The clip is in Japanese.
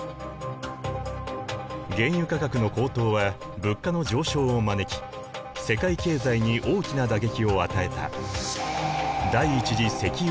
原油価格の高騰は物価の上昇を招き世界経済に大きな打撃を与えた。